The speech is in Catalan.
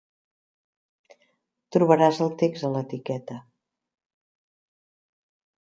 Trobaràs el text a l'etiqueta.